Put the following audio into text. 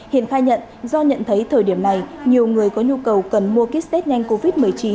hiền khai nhận do nhận thấy thời điểm này nhiều người có nhu cầu cần mua kích tết nhanh covid một mươi chín